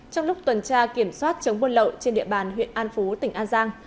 trong lúc tuần tra kiểm soát chống buôn lậu trên địa bàn huyện an phú tỉnh an giang